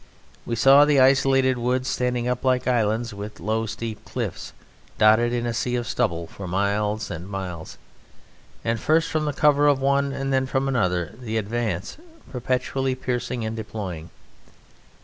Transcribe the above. We saw the isolated woods standing up like islands with low steep cliffs, dotted in a sea of stubble for miles and miles, and first from the cover of one and then from another the advance perpetually, piercing and deploying.